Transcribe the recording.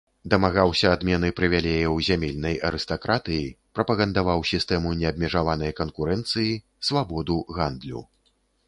Дамагаўся адмены прывілеяў зямельнай арыстакратыі, прапагандаваў сістэму неабмежаванай канкурэнцыі, свабоду гандлю.